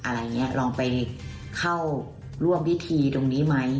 อะไรอย่างนี้ลองไปเข้าร่วมพิธีตรงนี้ไหม